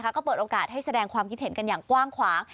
ก็เปิดโอกาสให้แสดงความคิดเห็นกันอย่างกว้างขวาง